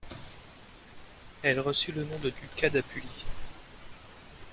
Elle reçut le nom de ducat d'Apulie.